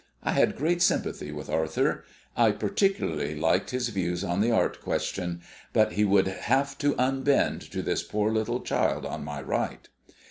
I had great sympathy with Arthur. I particularly liked his views on the art question; but he would have to unbend to this poor little child on my right.